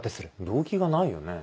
動機がないよね。